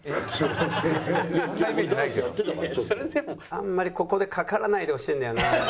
あんまりここでかからないでほしいんだよな。